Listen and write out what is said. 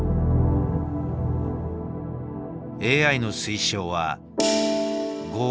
ＡＩの推奨は５七銀。